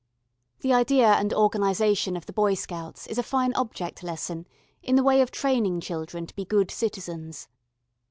The idea and organisation of the Boy Scouts is a fine object lesson in the way of training children to be good citizens.